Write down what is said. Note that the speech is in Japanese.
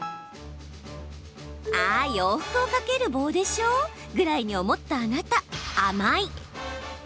ああ、洋服を掛ける棒でしょ？ぐらいに思ったあなた、甘い！